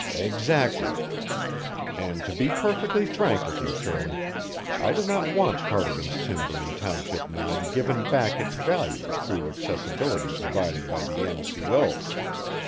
"Exactly. And to be perfectly frank with you, Shirley, I do not want Cardigan's timber in Township Nine given back its value through accessibility provided by the N.C.O.